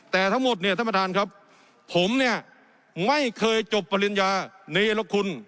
แต่ทั้งหมดเนี่ยท่านประธานครับผมเนี่ยไม่เคยจบปริญญาเนรคุณ